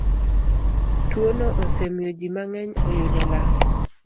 Twono osemiyo ji mang'eny oyudo lal.